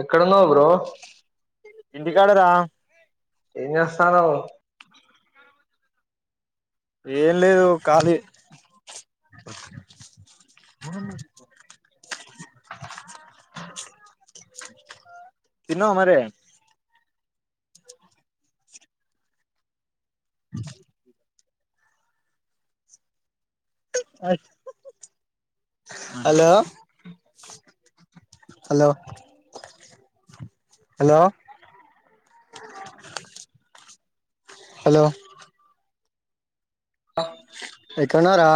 ఎక్కడన్నావు bro? ఇంటికాడ రా. ఏంచేస్తాన్నావు. ఏం లేదు ఖాళీ. మ తిన్నావా మరి? ఆ హలో హలో హలో హలో ఆ తిన్నారా?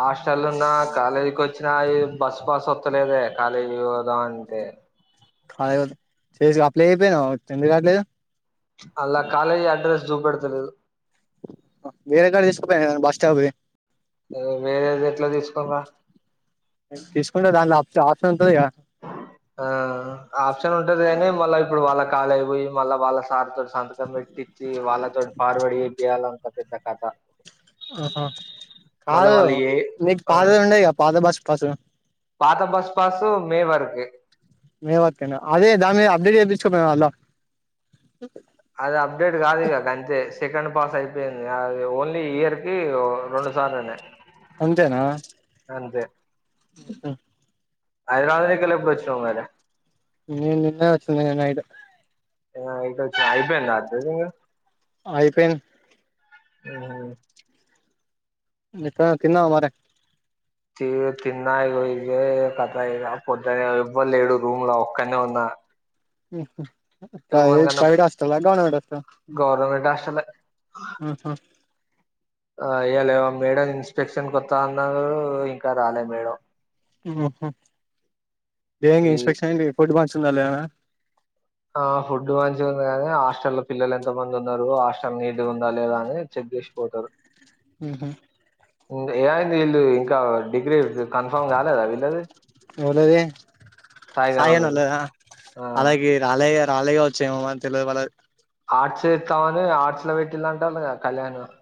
హాస్టల్ ఉన్నా, కాలేజీకి వచ్చినా ఈ బస్సు పాస్ వత్తలేదే కాలేజీ కి పోదాము అంటే. కా చేసి అప్లే చేయకపోయినావు ఎందుకు రా. అందులో కాలేజీ అడ్రస్ చూపెడత లేదు. వేరేకాడ తీసుకుపోయా బస్ స్టాప్ వి. వేరేది ఎట్లా తీసుకోవల్లా? తీసుకుంటే దాన్ని లో ఆప్షన్ ఉంటంది గా ఆ ఆప్షన్ ఉంటది కానీ మళ్ళా ఇప్పుడు వాళ్ళ కాలేజ్ కి పోయి మళ్ళా వాళ్ళ సార్తో సంతకం పెట్టిచ్చి వాళ్ళతో ఫార్వడ్ ఏ చేపీయాలంటే పెద్ద కథ. ఆహా! మళ్ళా కాదు వాళ్ళు ఏ మీకు ఆ పాతది ఉండే కదా బస్ పాస్. పాత బస్ పాస్ మే వరకే మే వరకేనా అదే దాని మీద అప్డేట్ చెప్పించుకోకపోయినావా అందులో అది అప్డేట్ కాదు ఇక అంతే సెకండ్ పాస్ అయిపోయింది. అది ఓన్లీ ఇయర్ కి రెండు. చాలానే అంతేనా హైదరాబాద్ కెళ్ళి కరోనా ఎప్పుడు వచ్చినావ్ మరి. నేను నిన్నే వచ్చనా నిన్న నైట్. ఇగ ఈడకు వచ్చిన అయిపోయిందా డ్యూటీ ఇంగ అయిపోయింది. ఉ ఇంకా తిన్నావా మరి. తిన్నా ఇగే కథా ఇక పొద్దునే ఇవ్వలేడు రూమ్ లో ఒక్కనే ఉన్నా. ప్రై ఎవ్వనికన్నా ప్రైవేట్ హాస్టల్ ఆ గవర్మెంట్ హాస్టల్ ఆ గవర్నమెంట్ హాస్టలే ఆహా! ఆ ఇయ్యలేవో మేడం ఇన్స్పెక్షన్ కొత్తా అన్నారు. ఇంకా రాలే మేడం. హ ఏంది ఈ ఇన్స్పెక్షన్ ఏంటి ఫుడ్ మంచిగా ఉన్నదా లేదా అనా? ఆ ఫుడ్ మంచిగా ఉంది కాని హాస్టల్ లో పిల్లలు ఎంత మంది ఉన్నారు. హాస్టల్ నీటి గా ఉందా లేదా అని. చెక్ చేసి పోతారు. ఉహు ఏమయింది వీళ్ళు ఇంకా డిగ్రీ కన్ఫర్మ్ కాలేదా వీళ్ళది. ఎవలది సాయి అన్న ఉండ్లేదా ఆ అలాగే రాలేయ రాలే గాచ్చామో అని తెలివదు మనకు ఆర్ట్స్ ఇస్తామని ఆర్ట్స్ లో పెట్టిలా అంటారు కదా కళ్యాణి వాళ్లు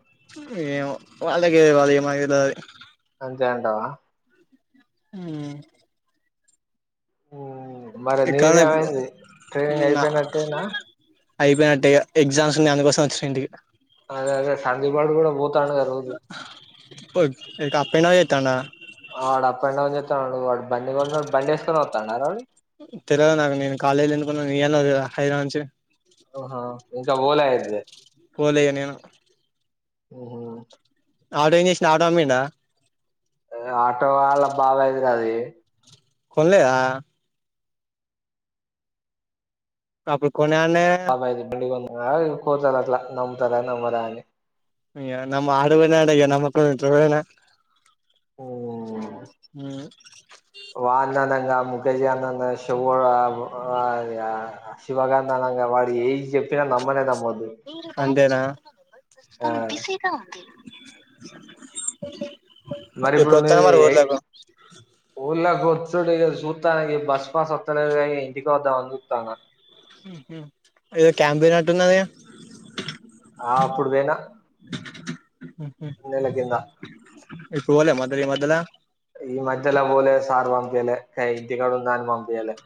ఏమో వాళ్ళకి తేల్వాల్ మక్వైతే తెల్వది అంతేంటావా హమ్ ఉమ్, మరి ఎక్కడున్నావు ఇప్పుడు నీదేమైంది ట్రైనింగ్ అయిపోయినట్టేనా అయిపోయినట్టే ఇగా ఎగ్జామ్స్ ఉన్నాయి అందుకోసం వచ్చినంటికి అదే అదే సందీప్ గాడు కూడా పో అప్ అండ్ డౌన్ చెత్తాండా ఆ అప్ అండ్ డౌన్ చేస్తాన్నాడు వాడు బండి కకొన్నాడు బండి వేసుకొని వతాన్నాడ వాడు తెలీదు నాకు నేను కాలేజీ ఎందుకున్నాను ఇయాలనే వ హైదరాబాద్ నుంచి ఓహో ఇంకా పోలే అయితే పోలే ఇగ నేను ఉహు. ఆటో ఏం చేసిండు ఆటో అమ్మిండా ఆటో వాళ్ళ బాబాయ్దిరా అది కొన లేదా అప్పుడు కొనే అనే బిడిగ కోర్తలట్లా ఇంకోసారి అట్లా నమ్తారా నమ్మరా అని అయ నమ్ ఆడుకి పోయిన అంటే నమ్మకుండా ఉంటారా ఎవడన్నా హమ్ వాంది అనంగా ముకేశ్భ గాని దినంగా [unintelligible] శివగాందనంగా వాడు ఏది చెప్పినా నమ్మలేక పోదు అంతేనా ఎప్పుడొస్తున్నావ్ మరి ఊర్లోకి ఊళ్ళ వచ్చుడు ఇగ ఈబస్ పాస్ వత్తాలే ఇంటికి వదామని చూస్తానా ఏదో క్యాంపేన్ అట్టుంద నదిగా ఆ అప్పుడు పోయిన ఉ నెలకిింద ఇప్పుడు పోలే ఈ మధ్యల ఈ మధ్యలా పోలే సార్ పంపిలే ఇంటికాడ ఉందామని పంపియలే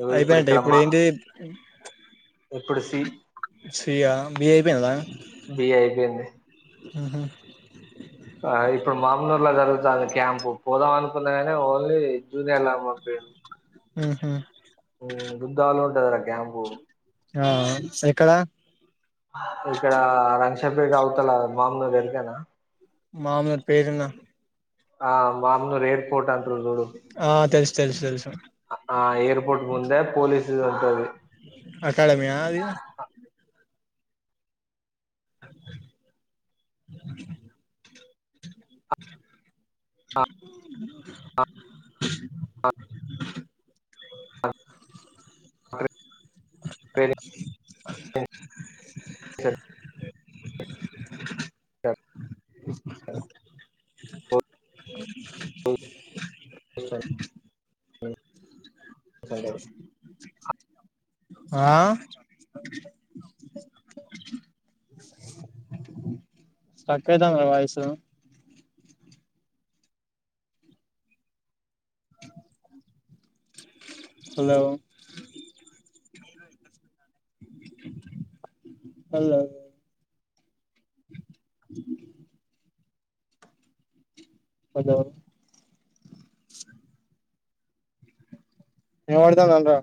ఇగో అయినట్టె ఇక్కడ ఇప్పుడు మా ఏంటి ఇప్పుడు సి సియా బి అయిపోయిందా బి ఏ అయిపోయింది ఉహూ ఇప్పుడు మామనూరు లో జరుగుతుంది క్యాంప్ పోదాం అనుకున్న నే ఓన్లీ జూనియర్ లను పంపిపుండు ఉంహు బుద్ద్దాలు ఉంటదరాా క్యాంపు ఆ ఎక్కడ ఇక్కడ లక్షత్ పెట్ అవుతల మామలు వెరికానా మామలు పేరు విన్నాను ఆ మామ్నూరు ఎర్పోర్ట్ అంటున్రు ఆ తెలుసు తెలుసు తెలుసు ఆ ఏయిర్పోర్ట్ ముందే పోలీసు ఉంటంది అకాడమీ ఆ అది అ స స సండే ఆ స్ట్రక్ అయితాంది రా వాయిసు హలో హలో హలో వినపడతానంరా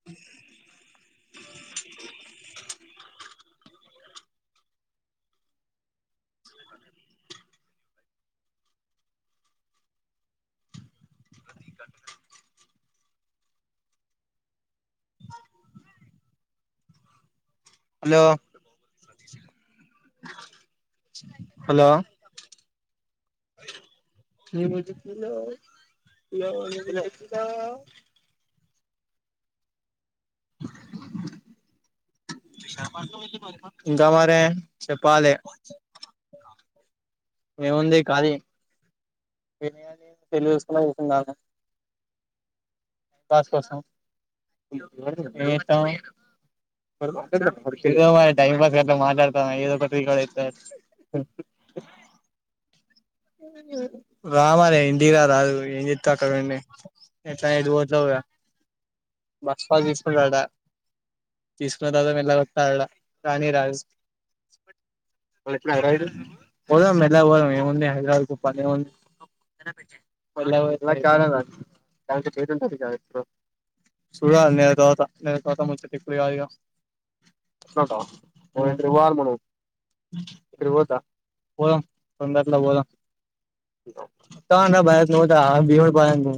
ంది హలో హలో ఏ మ పల ప ఇంకా మరి చెప్పాలి ఆ ఏముంది కాది పెళ్లి చేసుకున్నం ఇందాక బస్ కోసం ఎంచెత్తనవ్ టైం పాస్ కలా మాట్లాడతావా ఏదో ఒకటి హ రామరి ఇంటికి రారాదు ఏం చెత్తావ్ అక్కడ ఉండి ఎట్లా ఐదు పోతావ్ గా బస్ పాస్ తీసుకుంటడా తీసుకున్న తర్వా వెళ్లగొట్టిన ఆడ కానీ రాజు పోదాం ఎట్ల పోదాం ఏముంది హైదరాబాద్ కు పనేం ఉంది పళ్ చాల చ చె చూడాలి నేనైతే పోత నేనొక ముచ్చటి ఎప్పుడు కాదుగా అట్లాంటావా పోదం తొందరలో పోదం [unintelligible] పోదాం అంటన్న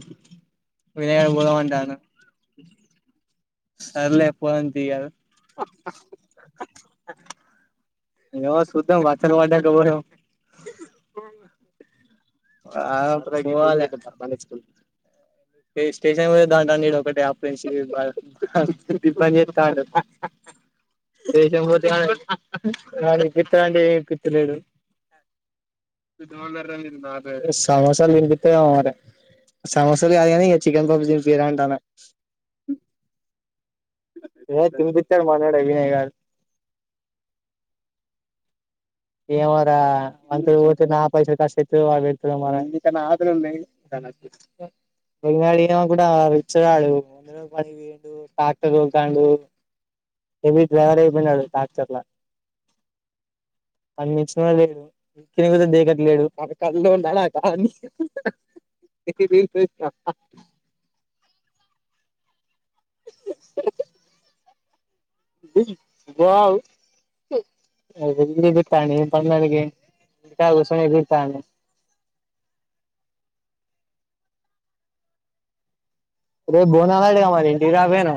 సర్లే పోదాం తీ అన్ ఏమో సుద్ధం మచ్చలు పడ్డని ఎమో ఉ ఆ రెప్ పోవాలె అ స్టే స్టేషన్కు పోయేద్దాం అంటాంటే ఇడు ఒకటే అప్రింసు అన్ చెప్తాండు స్టేషన్ కు పోతే ఆడు వాడు ఎక్కితాండంటే ఎక్కితలేడు ద సమోసాలు తినిపిత్తరేమో మరి సమోసాలు కాదు గని ఇగ చికెన్ పప్ తినిపిరా అంటానా ఏ తినిపిత్తాడు మనోడు ఏ కాదు ఏమోరా అంద ఊటి నా పైసలు కష్టట్ ఇతు వెతు మ ఇంకా బెంగాళ కూడాళ [unintelligible] ట్రాక్టర్ తోలుతాండు ఏవీ డ్రైవర్ అయిపోయినాడు ట్రాక్టర్ల అన్ని ఇచ్చినా లేడు ఇకిని కూడా దేగట్లేడు మన కల్లో ఉన్నాడా కా ఇకి బీల్ వా అ వెల్ బిట్టా బన్నడికి కాషనే బిట్టాను రే బోనాలలా అరి ఇంటికి రాపోయినా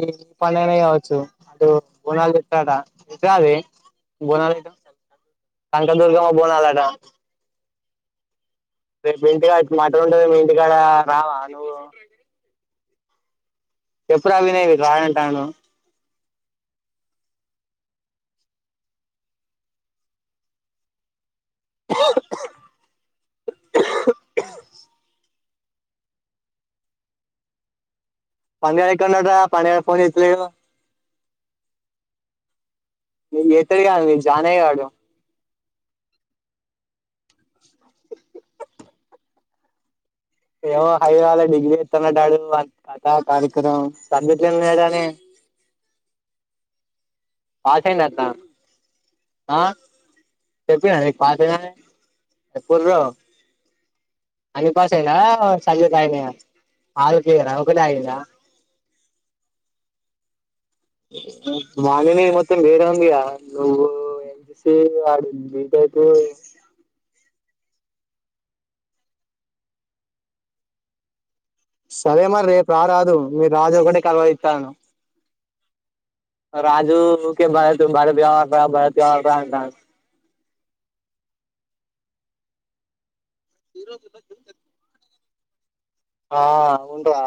ఈ ఈ పండగనా కావచ్చు అటు బోనాలు చెత్తాడా ఇది అది బోనాల కనకాదుర్గమా బోనాలట రేపు ఇంటికా మటన్ ఉంటది మీ ఇంటికాడ రావా నువ్వు ఎప్పుడు అవినేవి కాడంటాను పండుగాడు ఎక్కడఉన్నాడురా పండుగాడు ఫోన్ చేత్తలేడు ఎతడుగాను మీ జానే అయ్యడు ఏమో హై వాల డిగ్రీ ఇస్తున్నట్టడు వా కథ కార్యక్రమం [unintelligible] లేడని పాసైండా అట్నా ఆ చెప్పినాన నీకు పాసైనని చెప్పు అనిపాస్ అయిన సజ్యతయినే ఆరోరా అనే ఒకటే ఆయింద మాలని ఏడుపు మత్తం బేర వంద్యాను అంతసేపు వాడుందికాయితే సరే మరి రేపు రారాదు మీరు రాజు ఒకటే కలవరిత్తాండు రాజుక భారత్ భారత వ్యవహ భారత్యవ అంట ఇరు ఆ ఉంటా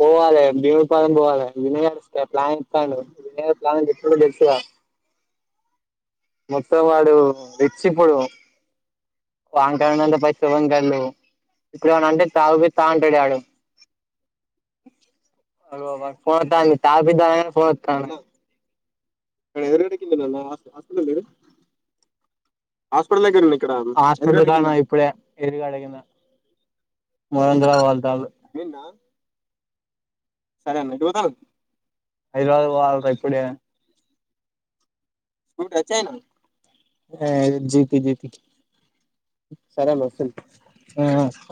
పోవాలి భీమి పాలం పోవాలి వియర్ ఇస్తే ప్లాన్ ఇస్తాను [unintelligible] ప్లా తెలుస మొత్తం వాడు రిచ్ ఇప్పుడు వాన్ అయిణంత పస్ట్ ఎవనికి అయ్యిందు ఏమన్ అంటే తావుపితా అంటడాడు అ ఫోన్ తాపిద్దా ఫోన్ను ఇత్తండు కనీ ఎదురుడకిింద న అ అస్లు లేదు హాస్పిటల్ కాన్న ఉన్న ఇప్పుడే [unintelligible] మందరా వాళ్తాలు సరే అన్న చూత హైదరాబాద్ పోవాలరా ఇప్పుడే జత జత [unintelligible] సరే బ్రో ఉ సర